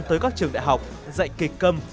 tới các trường đại học dạy kịch câm